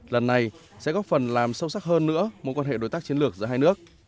lần này sẽ góp phần làm sâu sắc hơn nữa mối quan hệ đối tác chiến lược giữa hai nước